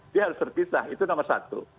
dia harus terpisah itu nomor satu